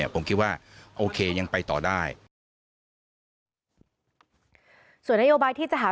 ผมคิดว่าโอเคยังไปต่อได้